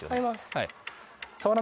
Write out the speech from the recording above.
はい。